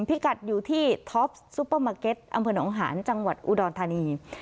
พิกัดอยู่ที่ท็อปซุปเปอร์มาร์เก็ตอำเภอหนองหานจังหวัดอุดรธานี